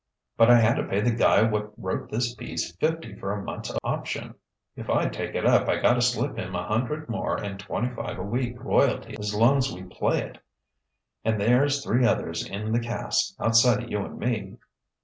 "But I had to pay the guy what wrote this piece fifty for a month's option. If I take it up I gotta slip him a hundred more and twenty five a week royalty as long's we play it: and there's three others in the cast, outsida you and me.